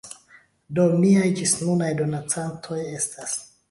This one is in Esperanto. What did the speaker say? Do miaj ĝisnunaj donacantoj estas